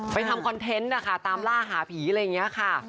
ทำคอนเทนต์นะคะตามล่าหาผีอะไรอย่างนี้ค่ะ